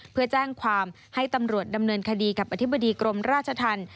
เพื่อแจ้งความให้ตำรวจดำเนินคดีกับอธิบดีกรมราชธรรม